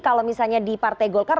kalau misalnya di partai golkar